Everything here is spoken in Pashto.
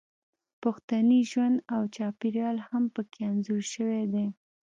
پښتني ژوند او چاپیریال هم پکې انځور شوی دی